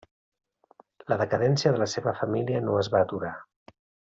La decadència de la seva família no es va aturar.